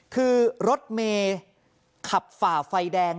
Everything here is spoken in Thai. คือรถเมย์ขับฝ่าไฟแดง